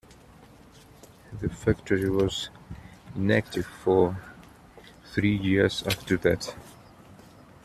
The factory was inactive for three years after that.